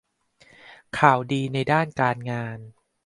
ข่าวดีในด้านการงาน